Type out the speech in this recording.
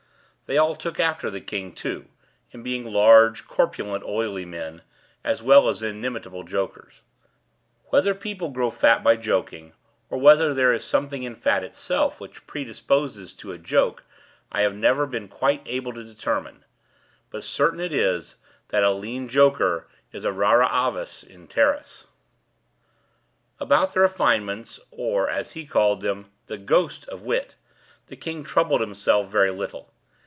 They all took after the king, too, in being large, corpulent, oily men, as well as inimitable jokers. Whether people grow fat by joking, or whether there is something in fat itself which predisposes to a joke, I have never been quite able to determine; but certain it is that a lean joker is a rara avis in terris. About the refinements, or, as he called them, the "ghost" of wit, the king troubled himself very little.